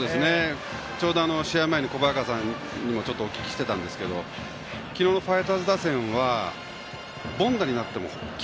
ちょうど試合前に小早川さんにも伺ったんですが昨日のファイターズ打線は凡打になっています。